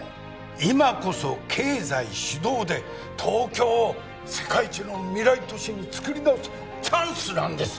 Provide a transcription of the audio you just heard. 今こそ経済主導で東京を世界一の未来都市につくり直すチャンスなんです